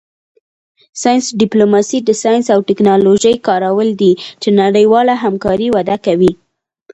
ساینس ډیپلوماسي د ساینس او ټیکنالوژۍ کارول دي چې نړیواله همکاري وده کوي